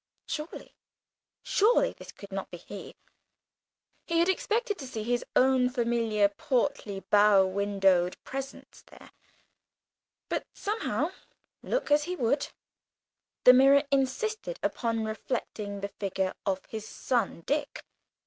Surely, surely, this could not be he! He had expected to see his own familiar portly bow windowed presence there but somehow, look as he would, the mirror insisted upon reflecting the figure of his son Dick.